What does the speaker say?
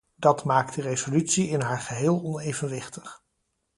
Dat maakt de resolutie in haar geheel onevenwichtig.